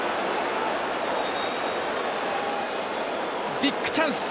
ビッグチャンス！